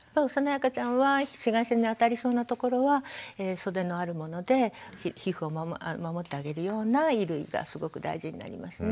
赤ちゃんは紫外線に当たりそうなところは袖のあるもので皮膚を守ってあげるような衣類がすごく大事になりますね。